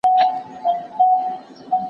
زه به اوږده موده د کور دندو بشپړونه کړي.